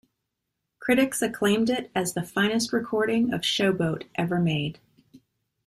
Critics acclaimed it as the finest recording of "Show Boat" ever made.